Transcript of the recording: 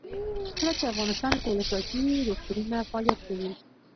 کله چې افغانستان کې ولسواکي وي روغتونونه فعالیت کوي.